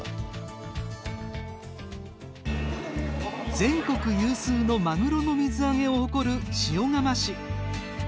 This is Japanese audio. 全国有数のまぐろの水揚げを誇る塩釜市。